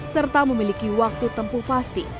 serta memiliki waktu tempuh pasti